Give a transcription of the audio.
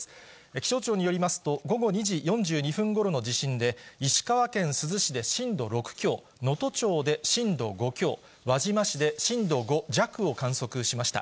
気象庁によりますと、午後２時４２分ごろの地震で、石川県珠洲市で震度６強、能登町で震度５強、輪島市で震度５弱を観測しました。